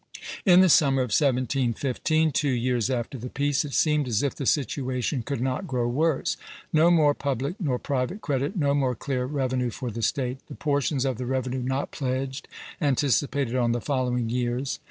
"In the summer of 1715 [two years after the peace] it seemed as if the situation could not grow worse, no more public nor private credit; no more clear revenue for the State; the portions of the revenue not pledged, anticipated on the following years.